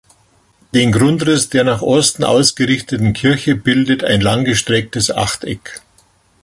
Den Grundriss der nach Osten ausgerichteten Kirche bildet ein lang gestrecktes Achteck.